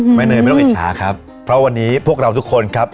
ใช่ใช่ครับไม่เนยไม่ต้องอิจฉาครับเพราะวันนี้พวกเราทุกคนครับ